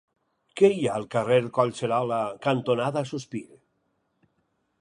Què hi ha al carrer Collserola cantonada Sospir?